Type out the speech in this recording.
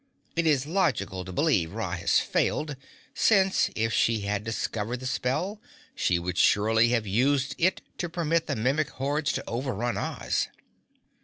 It is logical to believe Ra has failed, since, if she had discovered the spell, she would surely have used it to permit the Mimic hordes to overrun Oz."